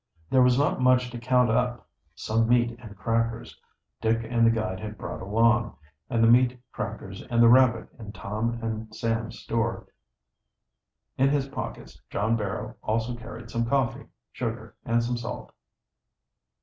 There was not much to count up: some meat and crackers Dick and the guide had brought along, and the meat, crackers, and the rabbit in Tom and Sam's store. In his pockets John Barrow also carried some coffee, sugar, and some salt.